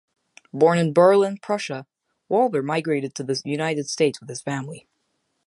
Born in Berlin, Prussia, Wallber migrated to the United States with his family.